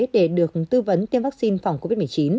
để được tư vấn tiêm vaccine phòng covid một mươi chín